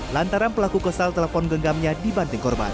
lantaran pelaku kesal telepon genggamnya dibanting korban